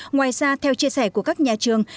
ngoài ra theo chia sẻ của các nhà trường